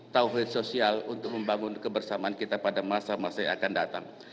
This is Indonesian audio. taufik sosial untuk membangun kebersamaan kita pada masa masa yang akan datang